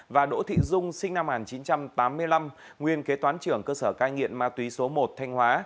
và đỗ thị dung sinh năm một nghìn chín trăm tám mươi năm nguyên kế toán trưởng cơ sở cai nghiện ma túy số một thanh hóa